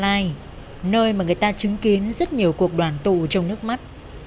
lễ thanh tỉnh gia lai nơi mà người ta chứng kiến rất nhiều cuộc đoàn tụ trong nước mắt